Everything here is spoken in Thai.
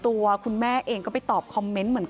ตัวคุณแม่เองก็ไปตอบคอมเมนต์เหมือนกัน